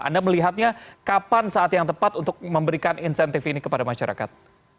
anda melihatnya kapan saat yang tepat untuk memberikan insentif ini kepada masyarakat